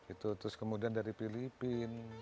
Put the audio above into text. itu terus kemudian dari filipina